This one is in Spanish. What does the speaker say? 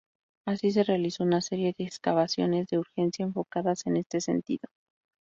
Así, se realizó una serie de excavaciones de urgencia enfocadas en este sentido.